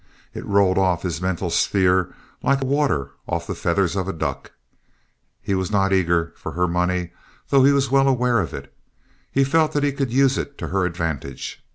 It rolled off his mental sphere like water off the feathers of a duck. He was not eager for her money, though he was well aware of it. He felt that he could use it to her advantage.